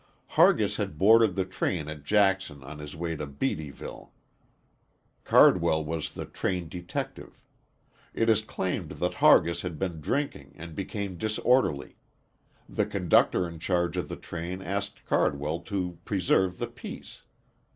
Hargis had boarded the train at Jackson on his way to Beattyville. Cardwell was the train detective. It is claimed that Hargis had been drinking and became disorderly. The conductor in charge of the train asked Cardwell to preserve the peace.